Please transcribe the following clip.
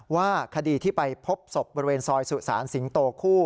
ว่าคดีที่ไปพบศพบริเวณซอยสุสานสิงโตคู่